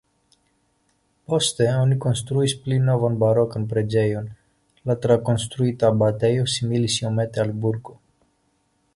Poste oni konstruis pli novan barokan preĝejon, la trakonstruita abatejo similis iomete al burgo.